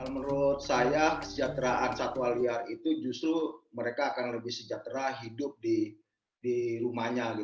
menurut saya kesejahteraan satwa liar itu justru mereka akan lebih sejahtera hidup di rumahnya